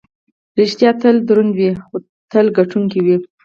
ریښتیا تل دروند وي، خو تل ګټونکی وي.